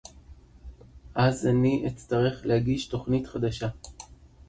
אז אני אצטרך להגיש תוכנית חדשה